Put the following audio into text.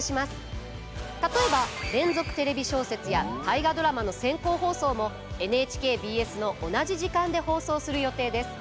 例えば「連続テレビ小説」や「大河ドラマ」の先行放送もＮＨＫＢＳの同じ時間で放送する予定です。